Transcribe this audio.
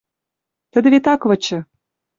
Тӹдӹ вет ак вычы...